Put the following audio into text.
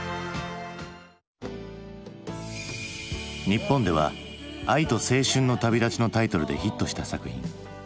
日本では「愛と青春の旅だち」のタイトルでヒットした作品。